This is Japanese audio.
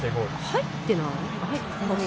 入ってない？